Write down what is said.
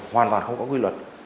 hoàn toàn không có quy luật